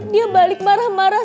dia balik marah marah